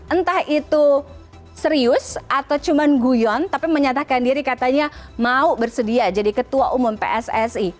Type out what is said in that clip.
entah itu serius atau cuma guyon tapi menyatakan diri katanya mau bersedia jadi ketua umum pssi